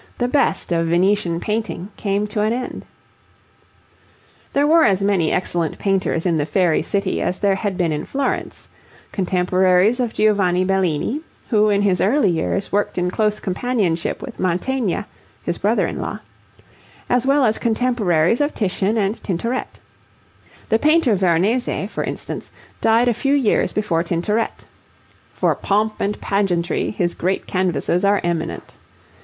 GEORGE DESTROYING THE DRAGON From the picture by Tintoretto, in the National Gallery, London] There were as many excellent painters in the fairy city as there had been in Florence; contemporaries of Giovanni Bellini (who, in his early years, worked in close companionship with Mantegna, his brother in law), as well as contemporaries of Titian and Tintoret. The painter Veronese, for instance, died a few years before Tintoret. For pomp and pageantry his great canvases are eminent.